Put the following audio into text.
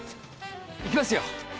行きますよ！